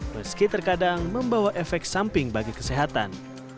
meski terkadang membawa efek samping bagi kesehatan